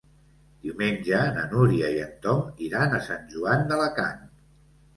Diumenge na Núria i en Tom iran a Sant Joan d'Alacant.